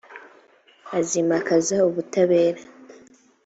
azimakaza ubutabera